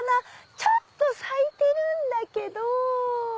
ちょっと咲いてるんだけど。